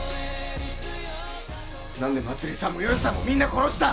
なんでまつりさんもよよさんもみんな殺した！？